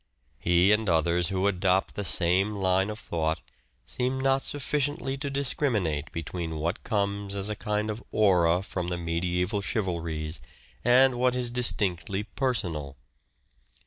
He, and others who adopt the same line of thought, seem not sufficiently to discriminate between what comes as a kind of aura from the medieval chivalries and what is distinctly personal.